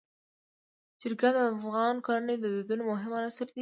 چرګان د افغان کورنیو د دودونو مهم عنصر دی.